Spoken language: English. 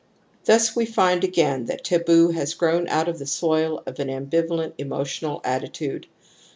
Thus we find again thatfXaboo has grown out oX. the soil of an ambivalent emotional attitude.